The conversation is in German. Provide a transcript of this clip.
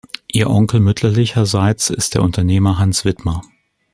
Ihr Onkel mütterlicherseits ist der Unternehmer Hans Widmer.